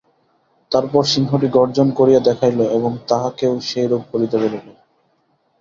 তারপর সিংহটি গর্জন করিয়া দেখাইল এবং তাহাকেও সেইরূপ করিতে বলিল।